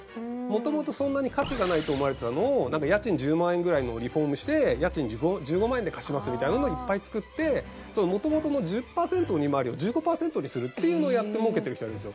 元々そんなに価値がないと思われてたのを家賃１０万円ぐらいのをリフォームして家賃１５万円で貸しますみたいなのをいっぱい作って元々の１０パーセントの利回りを１５パーセントにするっていうのをやって儲けてる人がいるんですよ。